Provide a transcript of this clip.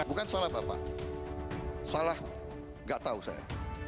bukan salah bapak salah gak tahu saya